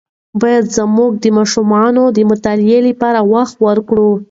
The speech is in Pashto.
باید زموږ د ماشومانو د مطالعې لپاره وخت ورکړو.